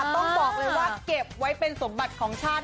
ต้องบอกเลยว่าเก็บไว้เป็นสมบัติของชาติ